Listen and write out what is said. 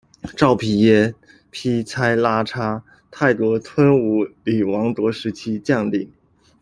昭披耶·披猜拉差，泰国吞武里王国时期将领。